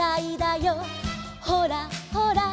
「ほらほら」